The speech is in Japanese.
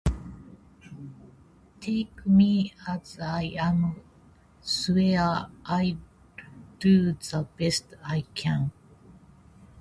Take me as I am swear I'll do the best I can